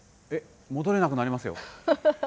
戻れなくなりますよ。